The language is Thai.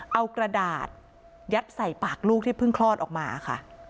เอากระดาษยัดใส่ปากลูกที่เพิ่งคลอดออกมาค่ะ